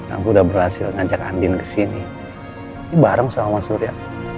aku udah berhasil ngajak andin kesini bareng sama surya